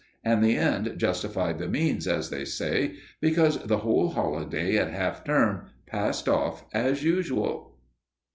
And the end justified the means, as they say, because the whole holiday at half term passed off as usual.